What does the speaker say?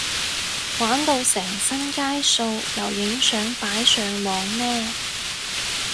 玩到成身街數又影相擺上網咩？